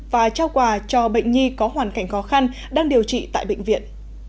và trao quà cho bệnh nhi có hoàn cảnh khó khăn đang điều trị tại bệnh viện